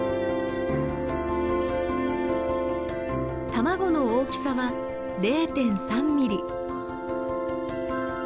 卵の大きさは０．３ミリ。